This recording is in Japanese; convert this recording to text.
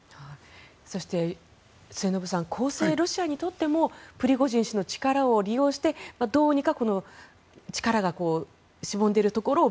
そして、末延さん公正ロシアにとってもプリゴジン氏の力を利用してどうにか力がしぼんでいるところを